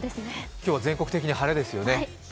今日は全国的に晴れですよね。